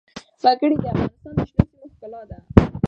وګړي د افغانستان د شنو سیمو ښکلا ده.